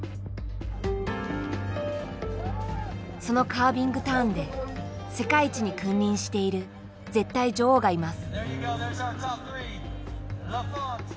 そのカービングターンで世界一に君臨している絶対女王がいます。